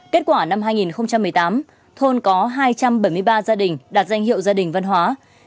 kết quả năm hai nghìn một mươi tám thôn có hai trăm bảy mươi ba gia đình đạt danh hiệu gia đình văn hóa